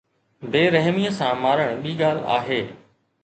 بي رحميءَ سان مارڻ ٻي ڳالهه آهي.